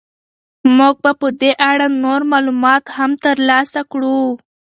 موږ به په دې اړه نور معلومات هم ترلاسه کړو.